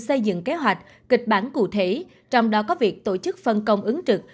xây dựng kế hoạch kịch bản cụ thể trong đó có việc tổ chức phân công ứng trực